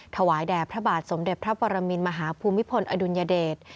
ถวายแด่พระบาทสมเด็จพระปรมินมหาภูมิพลอดุลยเดช